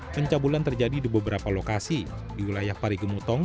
pencabulan terjadi di beberapa lokasi di wilayah parigemutong